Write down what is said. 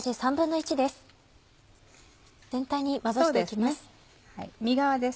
全体にまぶして行きます。